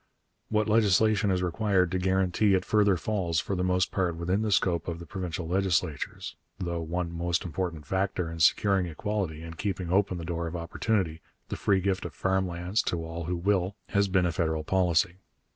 What legislation is required to guarantee it further falls for the most part within the scope of the provincial legislatures; though one most important factor in securing equality and keeping open the door of opportunity, the free gift of farm lands to all who will, has been a federal policy.